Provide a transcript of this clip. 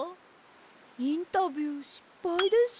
インタビューしっぱいです。